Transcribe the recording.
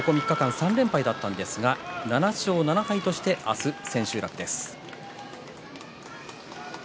ここ３日間３連敗だったんですが７勝７敗として明日千秋楽です。